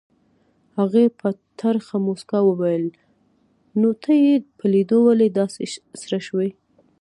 هغې په ترخه موسکا وویل نو ته یې په لیدو ولې داسې سره شوې؟